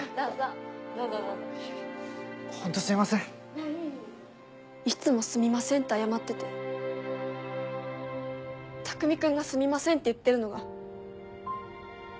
はいいつも「すみません」って謝ってて拓己君が「すみません」って言ってるのが。